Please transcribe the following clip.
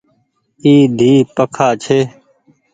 اي ۮي پکآن ڇي